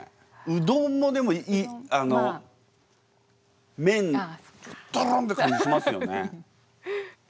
うどんもでもあの麺のとろんって感じしますよね。